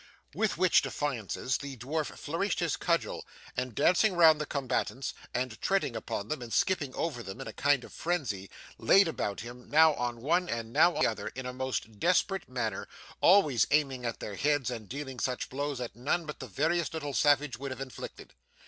With which defiances the dwarf flourished his cudgel, and dancing round the combatants and treading upon them and skipping over them, in a kind of frenzy, laid about him, now on one and now on the other, in a most desperate manner, always aiming at their heads and dealing such blows as none but the veriest little savage would have inflicted.